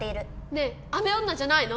ねえ雨女じゃないの？